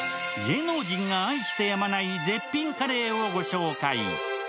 芸能人が愛してやまない絶品カレーをご紹介。